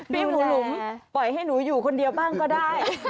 พี่หนูหลุมปล่อยให้หนูอยู่คนเดียวบ้างก็ได้